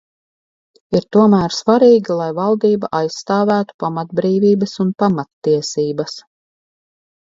Ir tomēr svarīgi, lai valdība aizstāvētu pamatbrīvības un pamattiesības.